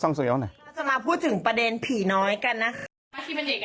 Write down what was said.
เราจะมาพูดถึงประเด็นผีน้อยกันนะคะ